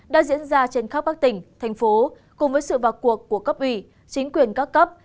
đã diễn ra trên khắp các tỉnh thành phố cùng với sự vào cuộc của cấp ủy chính quyền các cấp